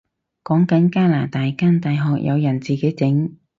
講緊加拿大間大學有人自己整